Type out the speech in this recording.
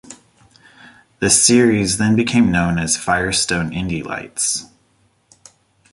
The series then became known as "Firestone Indy Lights".